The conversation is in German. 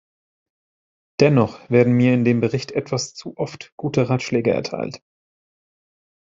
Dennoch werden mir in dem Bericht etwas zu oft gute Ratschläge erteilt.